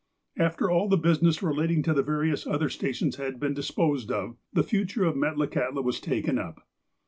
After all the business relating to the various other stations had been disposed of, the future of Metlakahtla was taken up.